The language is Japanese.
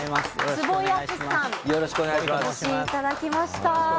坪井篤史さんにお越しいただきました。